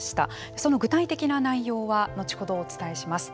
その具体的な内容は後ほどお伝えします。